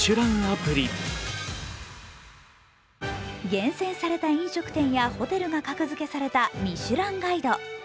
厳選された飲食店やホテルが格付けされた「ミシュランガイド」。